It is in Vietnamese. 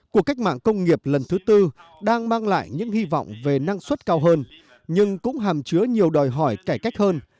cuộc cách mạng công nghiệp lần thứ tư đang mang lại những hy vọng về năng suất cao hơn nhưng cũng hàm chứa nhiều đòi hỏi cải cách hơn